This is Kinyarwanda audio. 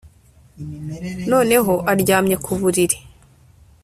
noneho aryamye ku buriri ,